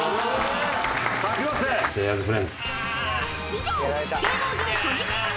［以上］